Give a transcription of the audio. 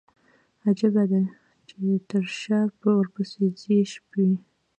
عجيبه ده، چې تر شا ورپسي ځي شپي